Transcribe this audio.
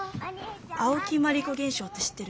青木まりこ現象って知ってる？